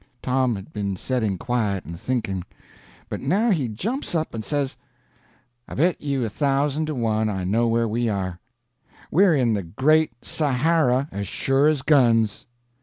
Tom had been setting quiet and thinking; but now he jumps up and says: "I bet you a thousand to one I know where we are. We're in the Great Sahara, as sure as guns!"